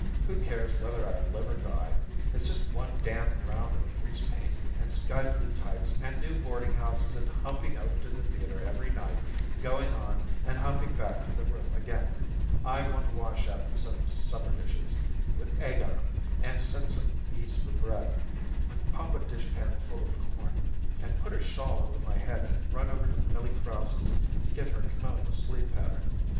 Who cares whether I live or die? It's just one darned round of grease paint, and sky blue tights, and new boarding houses and humping over to the theater every night, going on, and humping back to the room again. I want to wash up some supper dishes with egg on 'em, and set some yeast for bread, and pop a dishpan full of corn, and put a shawl over my head and run over to Millie Krause's to get her kimono sleeve pattern.